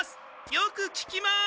よくききます！